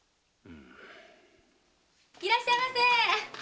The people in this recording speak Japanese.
いらっしゃいませえ！